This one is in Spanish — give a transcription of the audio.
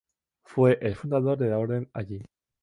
Fue el fundador de la orden allí.